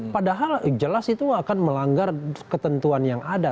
padahal jelas itu akan melanggar ketentuan yang ada